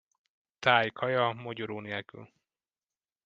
Thai kaja, mogyoró nélkül.